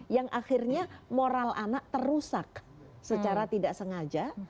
yang akhirnya moral anak terusak secara tidak sengaja